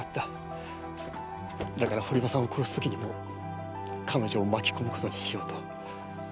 だから堀場さん殺す時にも彼女を巻き込む事にしようと。